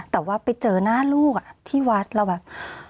แต่ว่าไปเจอหน้าลูกที่วัดเราแบบ